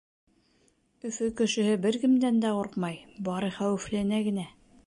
Өфө кешеһе бер кемдән дә ҡурҡмай. Бары хәүефләнә генә.